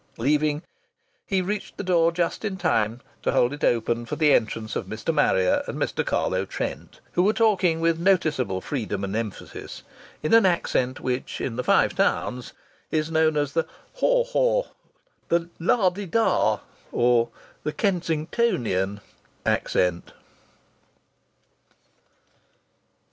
Leaving, he reached the door just in time to hold it open for the entrance of Mr. Marrier and Mr. Carlo Trent, who were talking with noticeable freedom and emphasis, in an accent which in the Five Towns is known as the "haw haw," the "lah di dah" or the "Kensingtonian" accent.